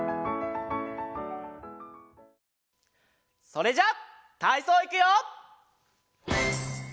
それじゃたいそういくよ！